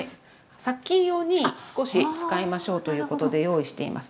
殺菌用に少し使いましょうということで用意しています。